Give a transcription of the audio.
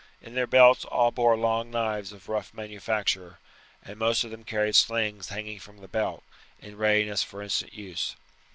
In their belts all bore long knives of rough manufacture, and most of them carried slings hanging from the belt, in readiness for instant use.